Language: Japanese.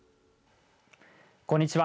こんにちは。